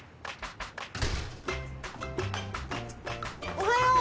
・おはよう。